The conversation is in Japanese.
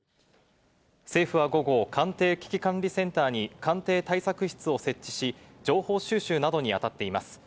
政府は午後、官邸危機管理センターに官邸対策室を設置し、情報収集などに当たっています。